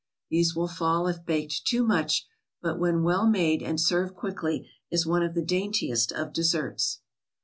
These will fall if baked too much, but when well made and served quickly, is one of the daintiest of desserts.